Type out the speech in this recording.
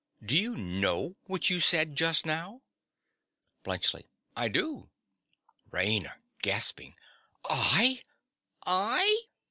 Do you know what you said just now? BLUNTSCHLI. I do. RAINA. I! I!!!